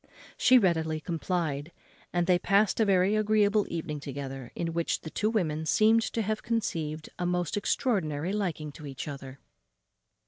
She readily complied, and they past a very agreeable evening together, in which the two women seemed to have conceived a most extraordinary liking to each other.